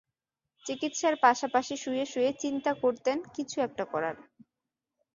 চিকিৎসার পাশাপাশি শুয়ে শুয়ে চিন্তা করতেন কিছু একটা করার।